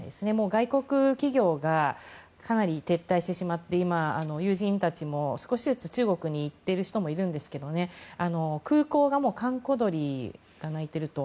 外国企業がかなり撤退してしまって今、友人たちも少しずつ中国に行っている人もいますが空港が閑古鳥が鳴いていると。